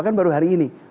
kan baru hari ini